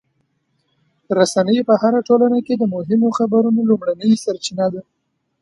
رسنۍ په هره ټولنه کې د مهمو خبرونو لومړنۍ سرچینه ده.